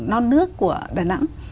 non nước của đà nẵng